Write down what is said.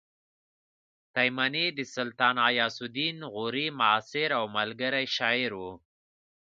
تایمني د سلطان غیاث الدین غوري معاصر او ملګری شاعر و